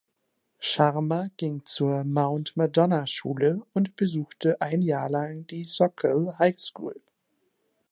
Sharma ging zur Mount-Madonna-Schule und besuchte ein Jahr lang die Soquel Highschool.